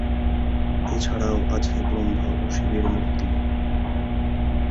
এছাড়াও আছে ব্রহ্মা ও শিবের মূর্তি।